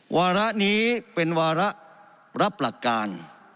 วาระนี้เป็นวาระรับหลักการ